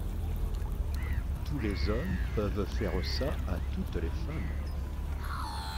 Tous les hommes peuvent faire ça à toutes les femmes.